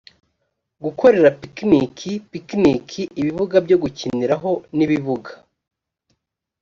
gukorera pikiniki picnic ibibuga byo gukiniraho n ibibuga